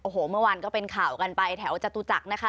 โอ้โหเมื่อวานก็เป็นข่าวกันไปแถวจตุจักรนะคะ